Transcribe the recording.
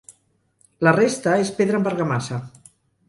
La resta és pedra amb argamassa.